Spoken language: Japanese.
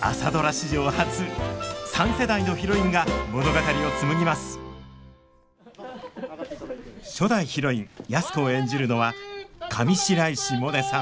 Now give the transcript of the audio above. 史上初三世代のヒロインが物語を紡ぎます初代ヒロイン安子を演じるのは上白石萌音さん